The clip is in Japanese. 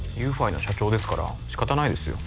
ＹｏｕＦｉ の社長ですから仕方ないですよ